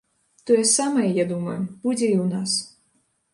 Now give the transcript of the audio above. Тое самае, я думаю, будзе і ў нас.